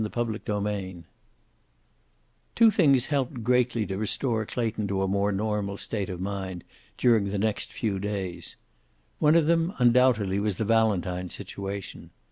CHAPTER VII Two things helped greatly to restore Clayton to a more normal state of mind during the next few days. One of them undoubtedly was the Valentine situation.